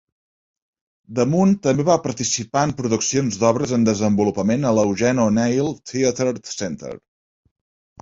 DeMunn també va participar en produccions d'obres en desenvolupament a l'Eugene O'Neill Theater Center.